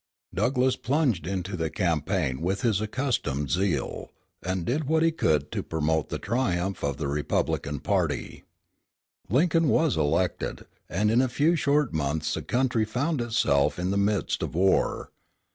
Douglass plunged into the campaign with his accustomed zeal, and did what he could to promote the triumph of the Republican party. Lincoln was elected, and in a few short months the country found itself in the midst of war.